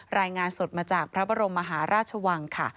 รายงานสดมาจากพระบรมมหาราชวังค่ะ